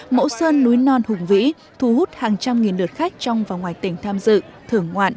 mẫu sơn núi non hùng vĩ thu hút hàng trăm nghìn lượt khách trong và ngoài tỉnh tham dự thưởng ngoạn